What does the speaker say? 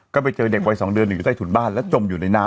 ก็ไปเจอเด็กวัย๒เดือนอยู่ใต้ถุนบ้านแล้วจมอยู่ในน้ำ